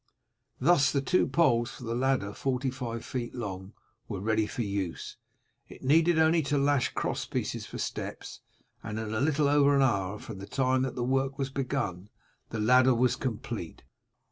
Thus the two poles for the ladder forty five feet long were ready for use. It needed only to lash cross pieces for steps, and in little over an hour from the time that work was begun the ladder was complete.